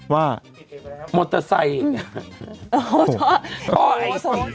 ว่ามอเตอร์ไซค์โอ้ย